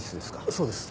そうです。